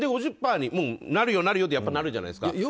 で、５０％になるよなるよでやっぱりなるじゃないですか。